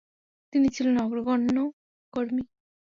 তিনি ছিলেন অগ্রগণ্য কর্মী।